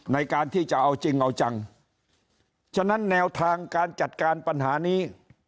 ในการที่จะเอาจริงเอาจังฉะนั้นแนวทางการจัดการปัญหานี้